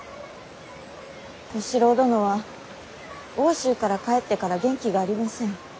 小四郎殿は奥州から帰ってから元気がありません。